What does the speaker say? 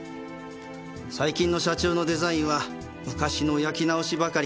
最近の社長のデザインは昔の焼き直しばかり。